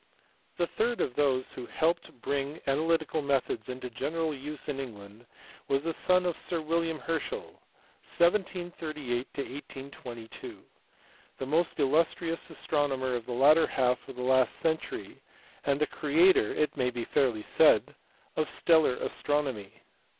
The third of those who helped to bring ana lytical methods into general use in England was the son of Sir William Herschel (1738 1S22), the most illustrious astronomer of the latter half of the last century and the creator (it may be fairly said) of stellar astronomy.